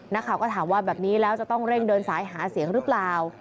นักข่าวก็ถามว่าแบบนี้แล้วจะต้องเร่งเดินสายหาเสียงหรือเปล่า